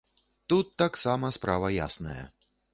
Тут таксама справа ясная.